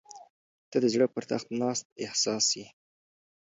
• ته د زړه پر تخت ناست احساس یې.